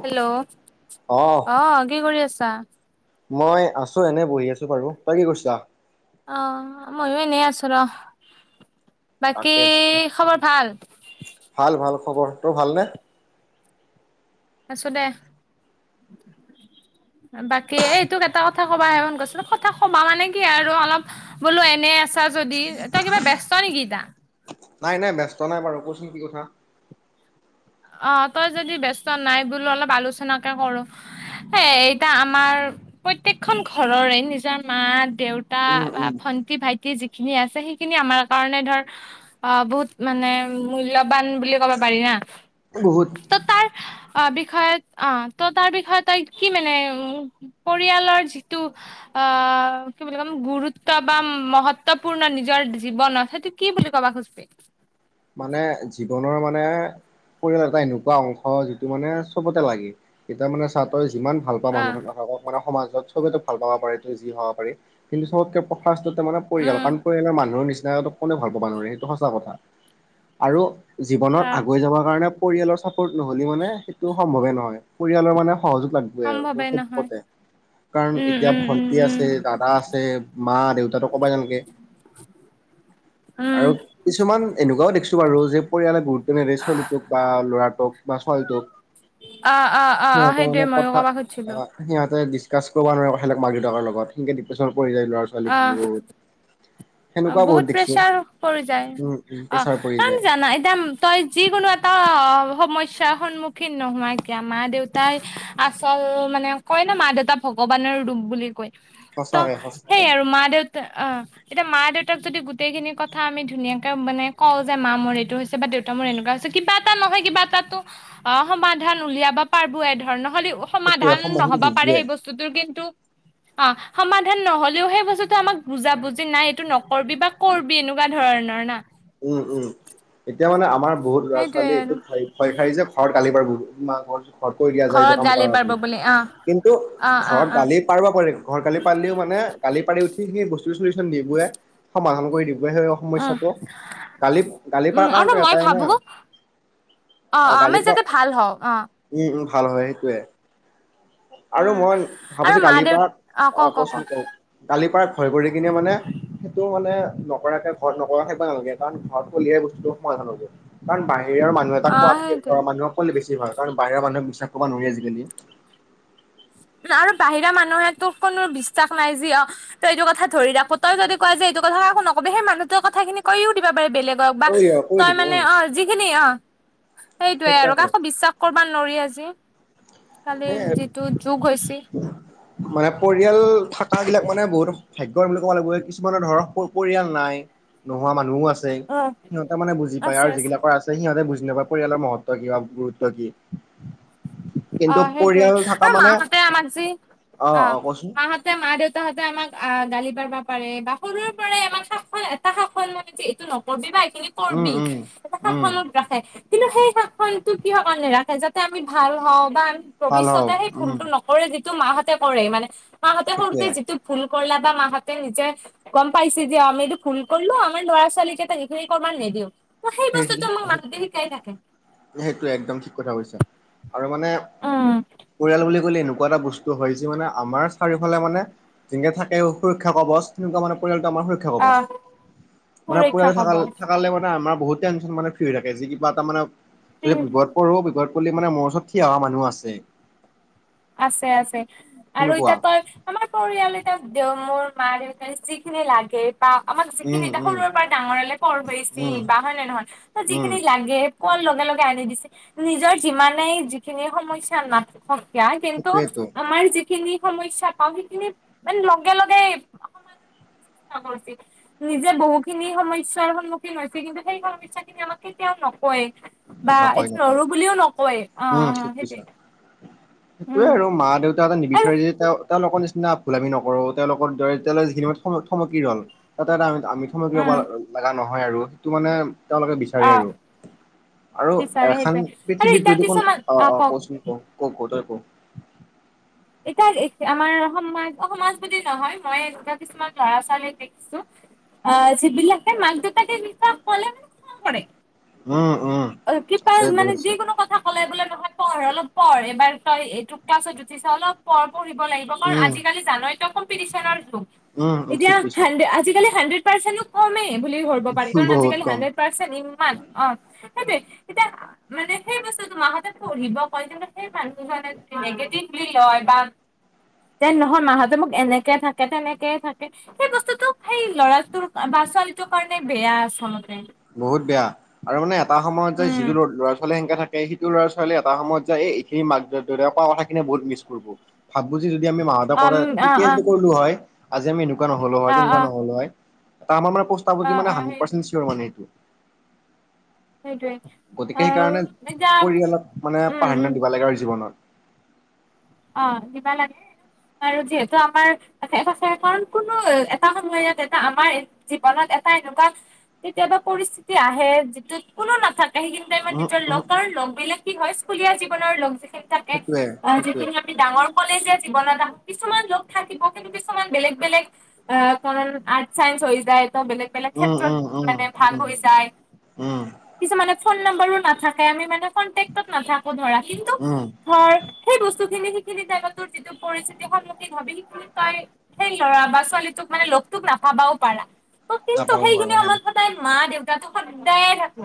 Hello অ আহ কি কৰি আছা। মই আছো এনে বহি আছো বাৰু। তই কি কৰিছা? অ মইয়ো এনেই আছো ৰ। বাকী তাকে তাকে খবৰ ভাল ভাল ভাল খবৰ তোৰ ভালনে? আছো দে। বাকী এইটোক এটা কথা কবাহে মন গৈছে কথা কবা মানে কি আৰু অলপ বোলো এনে আছা। যদি এই কিবা ব্যস্ত নেকি এটা নাই নাই ব্যস্ত নাই বাৰু কচোন কি কথা। অ তই যদি ব্যস্ত নাই বোলো অলপ আলোচনাকে কৰো। এতিয়া আমাৰ প্ৰত্যয়েকখন ঘৰৰে নিজৰ মা দেউতা উম বা উম ভন্টি ভাইটি যিখিনি আছে। সেইখিনি আমাৰ কাৰণে ধৰ অ বহুত মানে মূল্যবান বুলি ক'ব পাৰি না। বহুত ত তাৰ বিষয়ত অ তো তাৰ বিষয়ে তই কি মানে পৰিয়ালৰ যিটো কি বুলি কম গুৰুত্ব বা মহত্বপূৰ্ণ নিজৰ জীৱনত সেইটো কি বুলি কবা খুজছে। মানে জীৱনৰ মানে পৰিয়ালৰ এটা এনেকুৱা অংশ যিটো মানে চবতে লাগে এতিয়া মানে চা তই। যিমান ভাল পোৱা আহ মানুহ নাথাকক মানে সমাজত চবেতো ভাল পাব পাৰে ত যি হব পাৰে কিন্তু চবতকে ফাৰ্ষ্টতটে মানে পৰিয়াল উম কাৰণ পৰিয়ালৰ মানুহৰ নিচিনা কোনে ভাল পাবা নোৱাৰে সেইটো সঁচা কথা। আৰু জীৱনত আহ আগুৱাই যাবৰ কাৰণে। পৰিয়ালৰ চাপৰ্ট নহ'লে মানে সেইটো সম্ভৱে নহয় পৰিয়ালৰ মানে সহযোগ লাগবই আৰু সম্ভৱে নহয় চবতে কাৰণ উম এতিয়া উম উম ভন্টি উম আছে দাদা আছে মা দেউতাটো কবাই নালগে [unintelligible] উম আৰু কিছুমান এনেকুৱাও দেখিছো বাৰু যে পৰিয়ালে গুৰু নিদিয়ে ছোৱালীটোক বা ল'ৰাটোক বা ছোৱালীটোক। অ অ অ অ সিহঁতে সেইটোৱে মানে ময়ো কথা কবা খুজিছিলো অ সিহঁতে দি কাচ কৰিব নোৱাৰে কথা সেলেক মাক- দেউতাকৰ লগত, সেনেকে ডিপ্ৰেছনত পৰি যায় ল'ৰা অ -ছোৱালীখিনি বহুত। অ সেনেকুৱা বহুত দেখিছো প্ৰেচাৰ পৰি যায় উম উম অ। প্ৰেছাৰ পৰি যায় জানা এতিয়া তই যিকোনো এটা অ সমস্যা। চাৰ সন্মুখীন নোহোৱা কিয় মা দেউতাই আচল মানে কয় ন মা দেউতা ভগৱানৰ দুব বুলি কৈ ত সঁচাকে সেই সঁচাকে আৰু মা দেউতা অ যেতিয়া মা দেউতাক যদি গোটেই খিনি কথা আমি ধুনীয়াকে মানে কওঁ যে মা মোৰ এইটো হৈছে বা দেউতা মোৰ এনেকুৱা হৈছে। কিবা এটা নহয় কিবা এটো অ সমাধান উলিয়াবা পাৰব এ ধৰণৰ নহ'লেও সেইটোৱে সমাধান নহ'বা পাৰে নোহোৱে। সেই বস্তুটোৰ কিন্তু অ সমাধান নহ'লেও সেই বস্তুটো আমাক বুজা বুজি যে নাই এইটো নকবি বা কৰবি এনেকুৱা ধৰণৰ না উম উম এতিয়া মানে আমাৰ বহুত ল'ৰা সেইটোয়ে ছোৱালী এইটো আৰু ভ ভয় খাই যে ঘৰত গালি পাৰিব বুলি মা ঘৰ ঘৰত কৈ দিয়া যায় এইটো ঘৰত কাম গালি কৰা পাৰিব আপুনি বুলি অ কিন্তু অ অ ঘৰত অ গালি পাৰব পাৰি ঘৰত গালি পাৰিলেও মানে গালি পাৰি উঠি। সেইখিনি বস্তু চলিচন দিবই সমাধান কৰি দিবই সেই উম সমস্যাটো। গালি গালি পৰা উম আৰু কাৰণো মই এটাই নাই। ভাবো অ আমি গালি পৰা যাতে ভাল হওঁ অ উম উম ভাল হয় সেইটোৱে। আৰু উম মই ভাবো আৰু যে মা দেউ গালিপাৰ ক অ কচোন ক গালিপাৰা ভয় কৰি কিনে মানে সেইটো মানে নকৰাকে ঘৰত নকৰাকে কাৰণ ঘৰত উলিয়াই বস্তুটো সমাধান হ'ব কাৰণ বাহ বাহিৰৰ মানুহ এটা অ কোৱাতকে সেইটোৱে ঘৰৰ মানুহক ক'লে বেছি ভাল। কাৰণ বাহিৰৰ মানুহক বিশ্বাস কৰিব নোৱাৰি আজিকালি। আৰু বাহিৰা মানুহেতো কোনো বিশ্বাস নাই যি অ, তই এইটো কথা ধৰি ৰাখ তই যদি কোৱা যে এইটো কথা নকব সেই মানুহৰ কথাখিনি কৈয়ো দিব পাৰে বেলেগ ত বা, কৈ তই দিব মানে উম অ যিখিনি অ, সেইটোয়ে আৰু সেইকাৰণে কাকো বিশ্বাস কৰ কবা নৰি আজি, এ কালিৰ যিটো যুগ হৈছি। মানে পৰিয়াল থাকাবিলাক মানে বহুত ভাগ্যৱান বুলি ক'ব লাগিব কিছুমানৰ ধৰক প পৰিয়াল নাই নোহোৱা মানুহো আছে, অ', সিহঁতে মানে বুজি পায় আৰু যিগিলাকৰ আছে সিহঁতে বু যেবা পৰিয়ালৰ মহত্ব কি বা গুৰুত্ব কি? অ কিন্তু সেইটোৱে পৰিয়াল থকা আৰু মানে মাহঁতে আমাক যি অ, মাহঁতে মা -দেউতাহঁতে আমাক আহ গালি পা বা পাৰে বা সৰুৰ পৰাই এটা সাখন মানে এইটো নকবি বা এইখিনি উম কৰবি, উম এটা উম শাসনত ৰাখে। কিন্তু সেই শাসনটো কিহৰ কাৰনে ৰাখে যাতে আমি ভাল হওঁ বা ভাল ভৱিষ্যতে হওক সেই উম ভুলটো নকৰে যিটো মাহঁতে কৰেই মানে মাহঁতে সেইটোৱে সৰুতে যিটো ভুল কৰলা বা মাহঁতে নিজে গম পাইছে যে আমি এইটো ভুল কৰিলো আমাৰ ল'ৰা- ছোৱালীকেই সখিনি কৰাৰ নিদিও। ত সেই বস্তুটো আমাক মাহঁতে শিকাই থাকে -সেইটোৱে একদম ঠিক কথা কৈছা। আৰু মানে উম পৰিয়াল বুলি এনেকুৱা এটা বস্তু হয় যি মানে আমাৰ চাৰিওফালে মানে যেনেকে থাকে সুৰক্ষা কবচ তেনেকুৱা মানে পৰিয়াল আমাৰ সুৰক্ষা কবচ, আহ মানে সুৰক্ষা পৰিয়াল কৱচ থাকালে মানে আমাৰ বহুত টেনচন মানে ফ্ৰী থাকে যি কিবা এটা মানে যদি বিপদ পৰো বিপদ কলি মানে মোৰ ওচৰত থ অহা মানুহ আছে। আছে আছে আৰু সেনেকুৱা এতিয়া তই আমাৰ পৰিয়াল এতিয়া দে মোৰ মা -দেউতাক যিখিনি লাগে বা আমাক যিখিনি উম এ উম সৰুৰ পৰা ডাঙৰলে পৰ হৈছি উম বা হয় নে নহয়? ত উম যিখিনি লাগে কোৱাৰ লগে লগে আনি দিছে, নিজৰ যিমানেই যিখিনি সমস্যা নাথ কেয়া কিন্তু সেইটোৱেতো আমাৰ যিখিনি সমস্যা পাওঁ সেইখিনি মানে লগে লগে সমাধান। নিজে বহুখিনি সমস্যয়াৰ সন্মুখীন হৈছিল কিন্তু সেই সমস্যা খিনি আমাক কেতিয়াও ন। কয় বা নকয় এইটো নকয় নৰু বুলিও নকয় অ অ সেইটয়ে। সেইটয়ে আৰু মা দেউতা এটা আৰু নিবিচাৰে যেতিয়া। তেওঁলোকৰ নিচিনা ভুল আমি নকৰো তেওঁলোকৰ দৰে তেওঁল যিখিনি থম থমকি ৰ'ল তাতে এটা আমি। আমি থমকি ৰবা উম লগা নহয় আৰু সেইটো মানে তেওঁলোকে অ বিচাৰে আৰু। আৰু বিচাৰে এখন সেইটোৱে আৰু পৃথিৱীত এতিয়া যদি কোন কিছুমান অ অ কওচোন কওক কওক? ক তই ক? এতিয়া এ আমাৰ সমাজ সমাজ বুলি নহয় মই একা কিছুমান লৰা -ছোৱালীক দেখিছো অ যিবিলাকে মাক -দেউতাকে এনেকোৱা কলে খং কৰে। উম উম অ কিবা আছে মানে বহুত আছে যিকোনো কথা কলে বোলে নহয় পঢ় অলপ পঢ় এবাৰ তই এইটো কালাছ জুঠিছা অলপ পৰ পঢ়িব লাগিব কাৰণ উম আজিকালি জানাই তই কম্পিটিছনৰ যুগ, উম এতিয়া ঠিক কৈছা হান আজিকালি হানড্ৰেড পাৰ্চেনো কমেই বুলি ধৰব পাৰি কাৰণ বহুত আজিকালি কম। হানড্ৰেড পাৰ্চেন্ট ইমান অ। সেইটোৱে, এতিয়া মানে সেই বস্তুতো মাহতে পঢ়িব কয় তেন্তে সেই মানুহ নিগেটিভ ই লয় বা যে নহয় মাহঁতে মোক এনেকে থাকে তেনেকে থাকে, সেই বস্তুটো সেই ল'ৰাটোৰ বা ছোৱালীটো কাৰণে বেয়া আচলতে। বহুত বেয়া, আৰু মানে এটা সময়ত উম যিটো ল'ৰা -ছোৱালীয়ে সংকা থাক সিটো ল'ৰা -ছোৱালী এটা সময়ত যায় এইখিনি মাক -দেউ দেউতাক কোৱা কথাখিনি বহুত মিছ কৰিব ভাব যি যদি আমি মাহতে আম কলে, অ আমি অ মাহ [inaudible] কৰিলো হয় আজি আমি এনেকুৱা নহলো হয় অ তেনেকুৱা অ নহলো হয়। তামানে পষ্ঠা অ বুজি মানে অ হানড্ৰেড সেই পাৰ্ছেন চিয়ৰ মানে সেইটোৱে গতিকে আৰু সেইকাৰণে এতিয়া পৰিয়ালক মানে উম প্ৰাধান্য উম দিব লাগে আৰু জীৱনত। অ দিবা লাগে। আৰু যিহেতু আমাৰ শেষ আছে কাৰণ কোনো এটা সময়ত এটা আমাৰ জীৱনত এটা এনেকুৱা কেতিয়াবা পৰিস্থিতি আহে, যিটোত কোনো নাথা সেইখিনি টাইমত উম নিজৰ উম লগৰ লগ বিলাক কি হয় স্কুলীয়া জীৱনৰ লগ। সেইটোৱে সেইটোৱে। কিন্তু আমি ডাঙৰ কলে যে জীৱনত কিছুমান লোক থাকিব। কিছুমান বেলেগ বেলেগ আ আৰ্ট চাইস হৈ যায়। ত বেলেগ বেলেগ উম ক্ষেত্ৰত উম উম মানে ভাল উম উম হয় যাই। নম্বৰো নাথাকে আমি মানে কণ্ঠেকত নাথাকো ধৰা কিন্তু উম ধৰ সেই বস্তু। সিখিনি সিখিনি টাইমত যিটো পৰিস্থিতি সন্মুখীন হবি। তই সেই ল'ৰা বা ছোৱালীটোক মানে লগটোক নাাপাবাও পাৰা। কিন্তু নাপাব বাৰু সেইখিনি হয় সময়ত সদায় মা দেউতাটো সদায়ে থাকিব।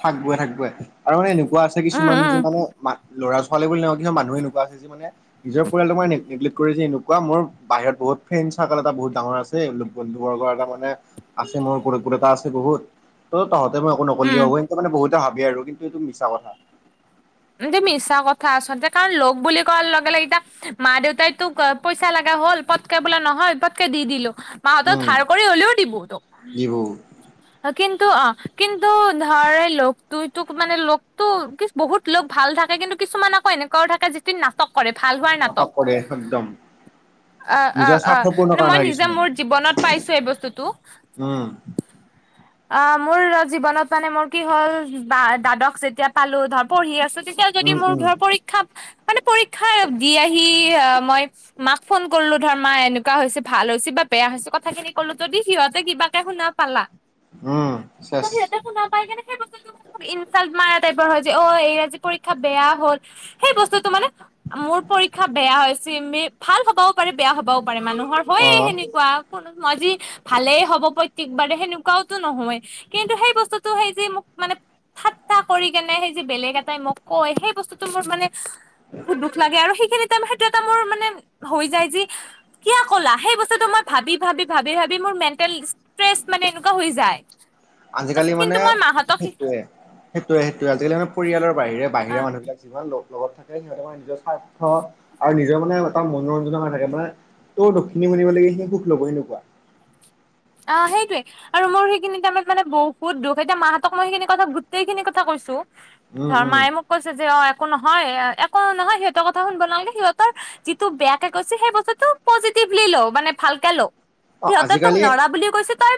থাকবেই থাকবেই আৰু মানে এনেকুৱা আছে উম কিছুমান যে উম মানে ম ল'ৰা ছোৱালী। হলিগলি কিছুমান মানুহ এনেকোৱা আছে যে মানে নিজৰ পৰিালোক মে নিগলেক কৰে এনেকুৱা মোৰ বাহিৰত বহুত ফ্ৰণ্। চাৰল এটা বহুত ডাঙৰ আছে বন্ধু বৰ্গৰ এটা মানে আছে মোৰলতা আছে বহুত। ত তহঁতে মই একো নকলেও হ'ব উম সকে মানে বহুতে ভাবি আৰু কিন্তু এইটো মিছা কথা। এটো মিছা কথা আচলতে কাৰণ লগ বুলি কোৱাৰ লগে লগে এতিয়া মা দেউতাইতো পইচা লাগা। হ'ল পটকে বোলে নহয় পটকে দি দিলো। মাসতে উম থাৰ কৰি হ'লেও দিব তোক। যিবোৰ কিন্তু অ কিন্তু ধৰ লগটো তোক মানে লগতটো কি বহুত। লোক ভাল থাকে কিন্তু কিছুমান আকৌ এনেকোৱাৱ থাকে যিটো নাটক। কৰে ভাল হোৱাৰ নাটক। কৰে একদম অ অ নিজৰ অ স্বাৰ্থপূৰ্ণ মানে মই কাৰণে নিজে কিছুমান মোৰ জীৱনত পাইছো এই বস্তুটো। উম। অ মোৰ জীৱনত মানে মোৰ কি হ'ল বা দাদক যেতিয়া পালো ধৰ পঢ়ি আছো। পিছত যদি উম মোৰ উম ধৰ পৰীক্ষা। মানে পৰীক্ষা দি আহি অ মই মাক ফোন কৰিলো ধৰ মা এনেকুৱা হৈছে ভাল হৈছে বা। বেয়া হৈছে কথা খিনি কলো ত দি সিহঁতে কিবাকে শুনা পালা উম ত চেছ সিহঁতে শুনা [unintelligible] ইনচাল্ট মাৰা টাইপৰ হয় যে অ এই আজি পৰীক্ষা বেয়া হ'ল সেই বস্তুটো মানে মোৰ পৰীক্ষা বেয়া চমি ভাল হবও পাৰে বেয়া হবও মানুহৰ হয় অ সেনেকুৱা ক আজি ভালেই হ'ব প্ৰত্যেকবাৰে সেনেকুৱাও নহয় কিন্তু সেই বস্তুতটো সেই যে মোক মানে। ঠাট্টাা কৰি কেনে সেই যে বেলেগ এটাই মোক কয় সেই বস্তুতটো মোৰ মানে। বহুত দুখ লাগে আৰু সেইখিনি তাৰ মে। মোৰ মান য কিয় কলা সেই বস্তুটো মই ভাবি ভি ভ ভি মোৰ ম। ষ্ট্ৰেচ মানে এনেকুৱা হৈ যায়। আজিকালি মানে কিন্তু মই মাহঁতক সি সেইটোৱে সেইটোৱে সেইটোৱে আজিকালি মানে। পৰিয়ালৰ বাহিৰে বাহিৰা অ', মানুহবিলাক যিমান। লগত থাকে সিহঁতে মানে নিজৰ স্বাৰ্থ আৰু নিজৰ মানে এটা মনোৰঞ্জনৰ থাকে মানে। তই দক্ষিণী মনিব লাগে সিনি সুখ লব সেনেকুৱা। [unintelligible] অ সেইটোৱে আৰু মোৰ সেইখিনি টাইমত মানে বহুত দুখ এতিয়া মাহতক মই সেইখিনি কথা গোটেইখিনি কথা কৈছো। উম উম ধৰ্মায় মোক কৈছে যে অ। একো নহয় একো নহয় সিহঁতৰ কথা শুনব নালাগে সিহঁতৰ যিটো বেয়াে কৈছে সেই বস্তুটো পজি। তিবলি লক মানে ভালকে। অ আজিকালি। তাই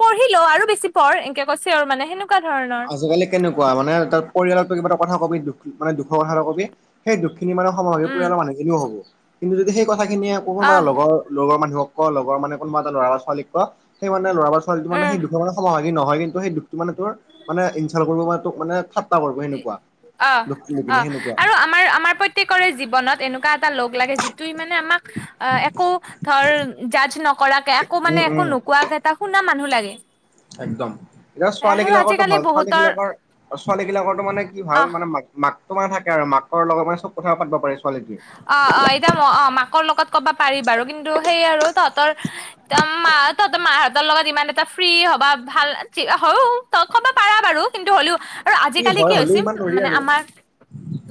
পঢ়িলো আৰু বেছি পঢ় এনকে কৈছে আৰু মানে সেনেকুৱা। ধৰণৰ আজিকালি কেনেকুৱা মানে তাৰ পৰিয়ালৰ কিবা এটা কথা কবি দুখ মানে দুখৰ কথাটা কবি সেই দুখ। খিনি মানে সম্ভাৱিক উম, পৰিয়ালৰানুহিনও হব কিন্তু যদি সেই কথাখিনিয়ে কোনোবা আহ লগৰ লগৰ মানুহক। ক লগ মানে কোনবা এটা লৰা ছোৱালক ক সেইানে'ৰা ছোৱালীটো উম। মানেেই দুখ মানে সময় হয়। নহয় কিন্তু সেই দুখটো মানে তোৰ ইনছল্ট কৰিব মানে তোক ঠাট্টা কৰিব মানে সেনেকুৱা। অ দুখটো লৈ অ কিনে সেনেকুৱা আৰু আমাৰ আমাৰ প্ৰত্যেকৰে জীৱনত এনেকুৱা এটা লগ লাগে যিটো মানে আমাক অ একো ধৰ জাজ নকৰাকে একো উম মানে একো উম নোকোৱাকে এটা শুনা মানে মানুহ লাগে। একদম এতিয়া ছোৱালী আৰু বিলাকো আজিকালি ভাল ছোৱালী বহুতৰ বিলাকৰ ছোৱালী বিলাকৰো মানে কি ভাল অ', মানে ম মাক তোমাৰ থাকে মাকৰ লগত মানে ছব কথা পাতিব পাৰে ছোৱালীটোৱে। অ অ এতিয়া ম অ মাকৰ লগত কবা পাৰি বাৰু কিন্তু সেইয় আৰু তহঁতৰ ম তহঁতৰ মাহঁতৰ লগত ইমান এটা ফ্ৰী হবা ভাল হৈও লগ খব পাৰা বাৰু কিন্তু হ'লেও আৰু আজিকালি হয় কি হৈ হৈছে হ'লেও ইমান নৰি মানে আৰু আমাৰ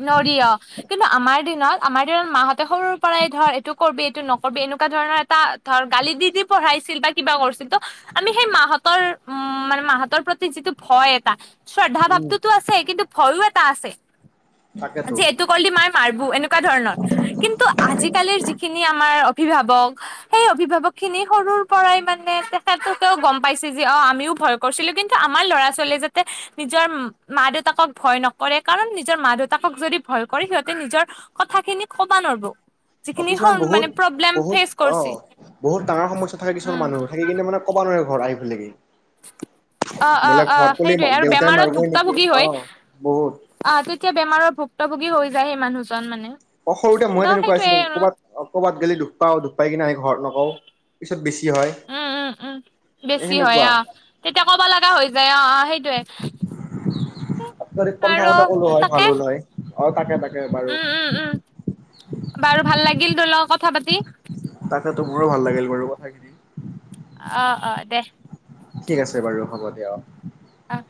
নৰিয় কিন্তু আমাৰ দিনত আমাৰ দিনত মাহঁতে সৰুৰ পৰাই ধৰ এইটো কৰবী এইটো নকৰবি এনেকুৱা ধৰণৰ এটা ধৰ গালি দি দি পঢ়াই ছিল বা কিবা কৰিছিল ত আমি সেই মাহতৰ উ মানে মাহতৰ প্ৰতি যিটো ভয় এটা শ্ৰদ্ধা উম ভাৱটোতো আছে কিন্তু ভয়ো এটা আছে তাকেতো। যে এইটো কলে মই মাৰবো এনেকুৱা নেকোৱা ধৰণৰ কিন্তু আজিকালিৰ যিখিনি আমাৰ অভিভাৱক সেই অভিভাৱক খিনি সৰুৰ পৰাই মানে তেখেতকও গম পাইছে যে অ আমিও ভয় কৰিছিলো কিন্তু আমাৰ ল'ৰা ছোৱালীয়ে যাতে নিজৰ মা দেউতাকক ভয় নকৰে কাৰণ নিজৰ মা দেউতাকক যদি ভয় কৰে সিহঁতে নিজৰ কথা খিনি কবা নোৱাৰবো অ কিছুমান বহুত বহুত অ কৰিছে বহুত ডাঙৰ সমস্যা থাকে কিছুমান উম মানুহ থাকি কিন্তু মানে ক'বা ন ঘৰ আহ [inaudible] অ অ অ ঘৰত কলি সেইটোৱে আৰু দেউতাই বেমাৰত মাৰিবই নেকি ভুক্তভোগি অ হয় বহুত আহ এতিয়া বেমাৰৰ ভুক্ত ভোগী হৈ যায় সেই মানুহজন মানে অ সৰুতে মইে ন তেনেকুৱা সেইটোয়ে আছিলো আৰু ক'ৰবাত অ ক'বাত গলে দুখ পাও, দুখ পাই কিনে আ ঘৰত নকওঁ পিছত বেছি হয় উম উম উম এ বেছি হয় সেনেকুৱা আহ তেতিয়া ক'বা লগা হৈ যায় অ অ সেইটয়ে যদি কম আৰু থাকোতে ক'লো হয় ভাল তাকে। হ'ল হয় অ তাকে তাকে বাৰু উম উম উম বাৰু ভাল লাগিল ধৰি লওক কথা পাতি। কথাটোবোৰো ভাল লাগিল বাৰু কথাখিনি। অ অ দে। ঠিক আছে বাৰু হ'ব দিয়ক। অহ।